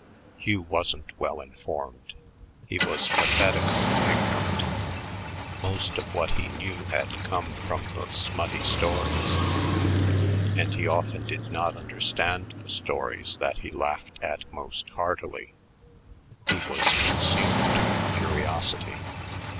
Hugh wasn't well informed; he was pathetically ignorant. Most of what he knew had come from the smutty stories, and he often did not understand the stories that he laughed at most heartily. He was consumed with curiosity.